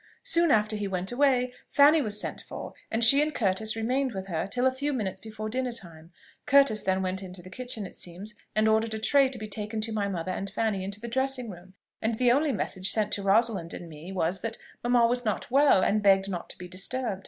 Soon after he went away, Fanny was sent for; and she and Curtis remained with her till a few minutes before dinner time. Curtis then went into the kitchen, it seems, and ordered a tray to be taken for my mother and Fanny into the dressing room, and the only message sent to Rosalind and me was, that mamma was not well, and begged not to be disturbed.